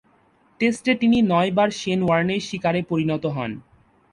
টেস্টে তিনি নয়বার শেন ওয়ার্নের শিকারে পরিণত হন।